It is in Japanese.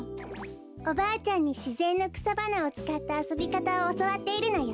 おばあちゃんにしぜんのくさばなをつかったあそびかたをおそわっているのよ。